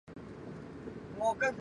列表根据受控物质法设计。